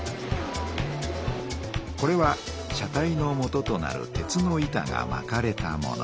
これは車体のもととなる鉄の板がまかれたもの。